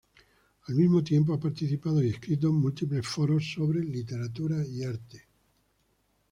Al mismo tiempo ha participado y escrito en múltiples foros sobre literatura y arte.